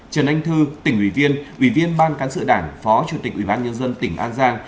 trần anh thư tỉnh ủy viên ủy viên ban cán sự đảng phó chủ tịch ủy ban nhân dân tỉnh an giang